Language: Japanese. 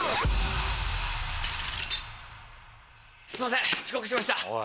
すいません遅刻しました。